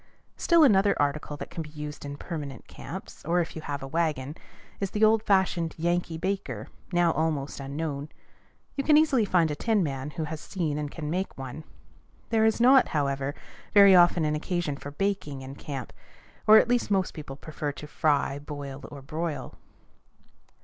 Still another article that can be used in permanent camps, or if you have a wagon, is the old fashioned "Yankee baker," now almost unknown. You can easily find a tinman who has seen and can make one. There is not, however, very often an occasion for baking in camp, or at least most people prefer to fry, boil, or broil.